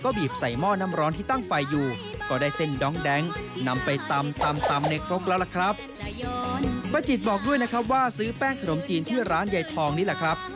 ใช่ไหมเราต้องลองไปชิมดูสักครั้งในชีวิตนะครับ